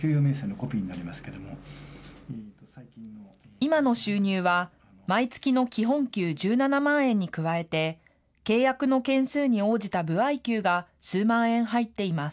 今の収入は毎月の基本給１７万円に加えて、契約の件数に応じた歩合給が数万円入っています。